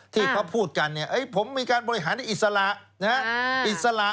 ที่เค้าพูดกันผมมีการบริหารในอิสระ